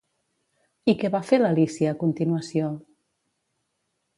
I què va fer l'Alícia a continuació?